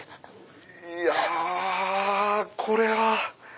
いやこれは。